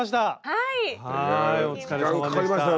はいお疲れさまでした。